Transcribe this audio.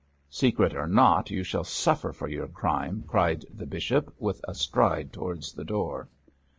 'Secret or not, you shall suffer for your crime,' cried the bishop, with a stride towards the door.